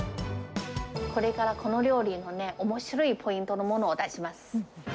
これからこの料理のね、おもしろいポイントのものを出します。